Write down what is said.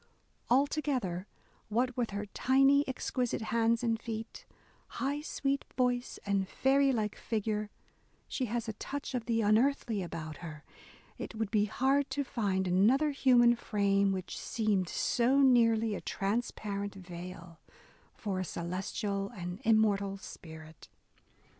Altogether, what with her tiny, exquisite hands and feet, high sweet voice, and fairy like figure, she has a touch of the unearthly about her ; it would be hard to find another human frame which "seemed so nearly a transparent veil for a celestial and immortal spirit."